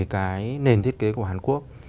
cái nền thiết kế của hàn quốc